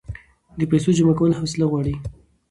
د پیسو جمع کول حوصله غواړي.